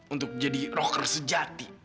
untuk jadi rocker sejati